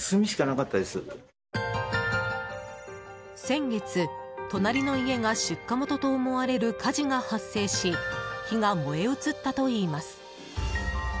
先月、隣の家が出火元と思われる火事が発生し火が燃え移ったといいます。